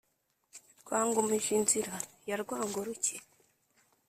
rwa ngumijinzira ya rwango ruke,